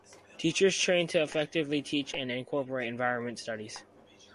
Teachers train to effectively teach and incorporate environmental studies.